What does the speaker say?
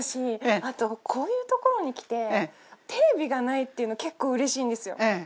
あとこういうところに来てテレビがないっていうの結構うれしいんですよ。